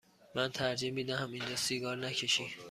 من ترجیح می دهم اینجا سیگار نکشی.